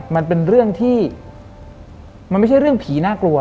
มันเป็นเรื่องที่มันไม่ใช่เรื่องผีน่ากลัว